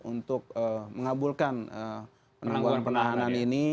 untuk mengabulkan penangguhan penahanan ini